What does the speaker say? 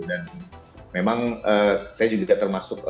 dan memang saya juga tidak termasuk